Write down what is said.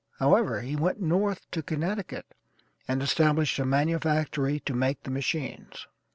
However, he went North to Connecticut and established a manufactory to make the machines.